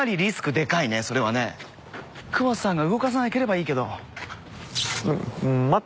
久保田さんが動かさなければいいけど。